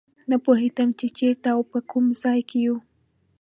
نه پوهېدم چې چېرته او په کوم ځای کې یو.